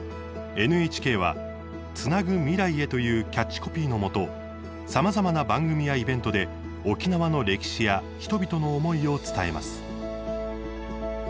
ＮＨＫは「つなぐ未来へ」というキャッチコピーのもとさまざまな番組やイベントで沖縄の歴史や人々の思いを伝えます。